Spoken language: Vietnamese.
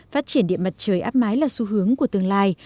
phát triển điện mặt trời áp mái là xu hướng của tương lai